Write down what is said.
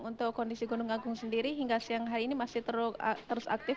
untuk kondisi gunung agung sendiri hingga siang hari ini masih terus aktif